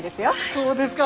そうですか。